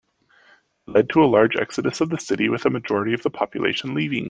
It led to a large exodus of the city, with a majority of the population leaving.